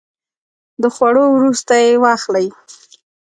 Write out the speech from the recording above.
د خوړو وروسته یی واخلئ